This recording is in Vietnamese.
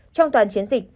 trong toàn chiến dịch